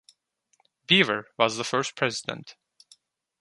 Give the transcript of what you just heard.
Biever was the first president.